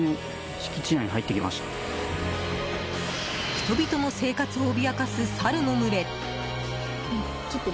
人々の生活を脅かすサルの群れ。